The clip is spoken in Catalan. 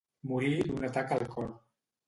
Morí d'un atac al cor.